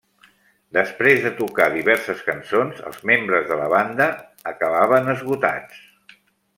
Després de tocar diverses cançons, els membres de la banda acabaven esgotats.